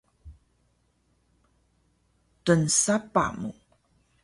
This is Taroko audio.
Tnsapah mu